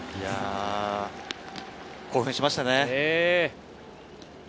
興奮しましたね。